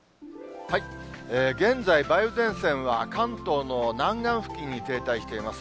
現在、梅雨前線は関東の南岸付近に停滞しています。